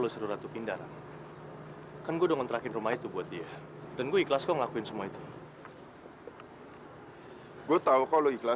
sampai jumpa di video selanjutnya